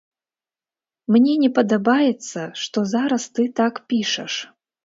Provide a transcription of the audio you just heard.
Мне не падабаецца, што зараз ты так пішаш.